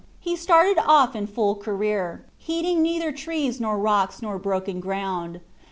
He started off in full career, heeding neither trees nor rocks nor broken ground.